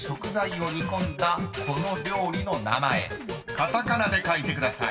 ［カタカナで書いてください］